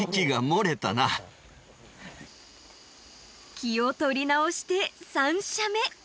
［気を取り直して３射目］